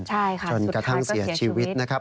ใช่ค่ะสุดท้ายก็เสียชีวิตจนกระทั่งเสียชีวิตนะครับ